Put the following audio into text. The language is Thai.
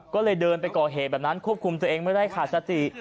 ก็เลยเดินไปก่อเหตุแบบนั้นควบคุมตัวเองไม่ได้ขาดสติ